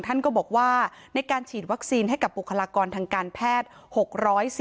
ท่านก็บอกว่าในการฉีดวัคซีนให้กับบุคลากรทางการแพทย์